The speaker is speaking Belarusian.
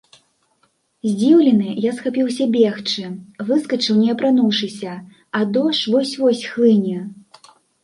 Здзіўлены, я схапіўся бегчы, выскачыў не апрануўшыся, а дождж вось-вось хлыне.